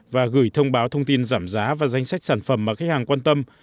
và gửi thông báo thông tin giảm giá và danh sách sản phẩm mà khách hàng quan tâm